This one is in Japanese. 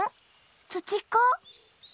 ツチッコ？